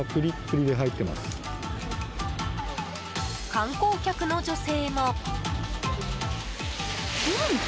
観光客の女性も。